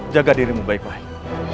jaga dirimu baik baik